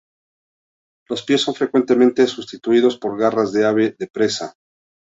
Los pies son frecuentemente sustituidos por garras de ave de presa.